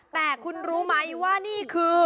แต่คุณรู้ไหมว่านี่คือ